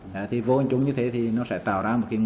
vô hình chúng như thế thì nó sẽ tạo ra một kinh doanh